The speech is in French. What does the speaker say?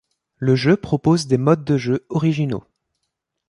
Le jeu propose des modes de jeu originaux.